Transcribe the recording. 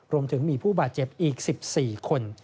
รวมถึงมีผู้บาดเจ็บอีก๑๔คน